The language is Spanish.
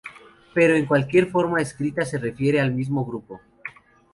Pero en cualquier forma escrita se refiere al mismo grupo.